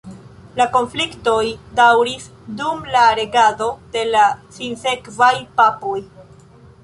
La konfliktoj daŭris dum la regado de la sinsekvaj papoj.